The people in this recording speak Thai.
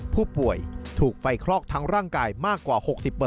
ผู้ป่วยถูกไฟคลอกทั้งร่างกายมากกว่า๖๐